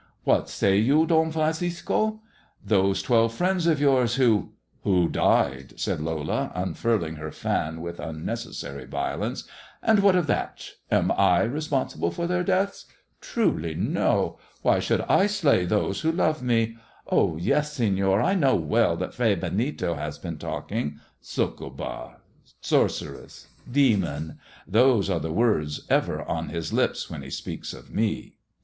" What say you, Don Francisco ]"" Those twelve friends of yours who "" Who died," said Lola, unfurling her fan with unneces sary violence :" and what of that ? Am I responsible for their deaths] Truly no. Why should I slay those who 238 'THE TALE OF THE TURQUOISE SKULL* love me 1 Oh yes, Sefior, I know well that Fray Benito has been talking. Succvha, sorceress, demon, those are the words ever on his lips when he speaks of me."